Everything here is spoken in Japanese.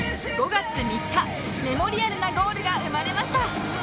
５月３日メモリアルなゴールが生まれました